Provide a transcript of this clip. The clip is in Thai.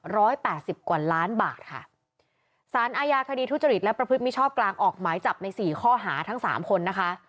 แปดสิบกว่าล้านบาทค่ะสารอาญาคดีทุจริตและประพฤติมิชอบกลางออกหมายจับในสี่ข้อหาทั้งสามคนนะคะ